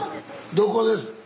どこです？